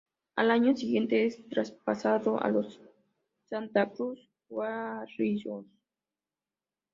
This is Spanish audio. Al año siguiente es traspasado a los Santa Cruz Warriors.